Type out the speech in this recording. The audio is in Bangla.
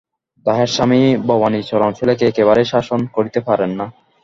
তাঁহার স্বামী ভবানীচরণ ছেলেকে একেবারেই শাসন করিতে পারেন না।